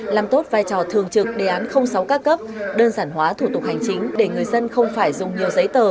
làm tốt vai trò thường trực đề án sáu các cấp đơn giản hóa thủ tục hành chính để người dân không phải dùng nhiều giấy tờ